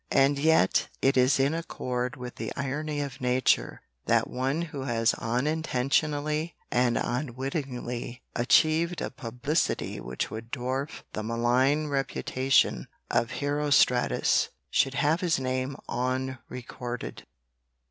And yet it is in accord with the irony of nature that one who has unintentionally and unwittingly achieved a publicity which would dwarf the malign reputation of Herostratus should have his name unrecorded.